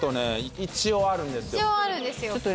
一応あるんですよ。